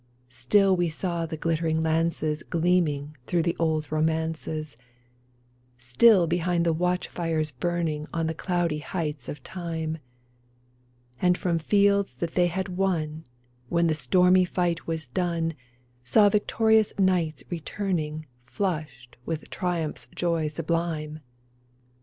Still we saw the glittering lances Gleaming through the old romances, Still beheld the watch fires burning On the cloudy heights of Time ; And from fields that they had won, When the stormy fight was done, Saw victorious knights returning Flushed with triumph's joy sublime